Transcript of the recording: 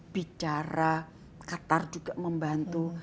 bicara qatar juga membantu